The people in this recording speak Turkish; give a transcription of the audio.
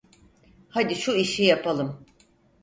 Hadi şu işi yapalım.